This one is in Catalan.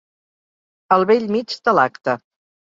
Al bell mig de l'acte.